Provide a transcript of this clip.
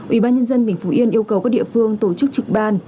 ủy ban nhân dân tỉnh phú yên yêu cầu các địa phương tổ chức trực ban